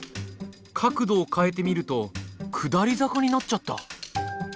角度を変えてみると下り坂になっちゃった。